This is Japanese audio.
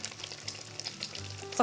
さあ